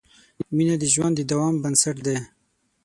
مینه د ژوند د دوام بنسټ ده.